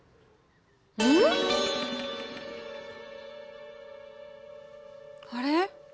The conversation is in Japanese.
うん？あれ？